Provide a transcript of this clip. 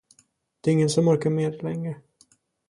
Det är ingen som orkar med det längre.